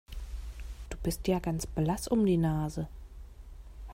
Du bist ja ganz blass um die Nase.